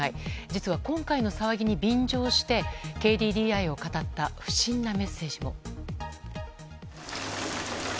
実は、今回の騒ぎに便乗してＫＤＤＩをかたった不審なメッセージも。